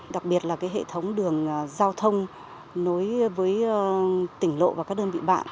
là cái hệ thống đường giao thông nối với tỉnh lộ và các đơn vị bạn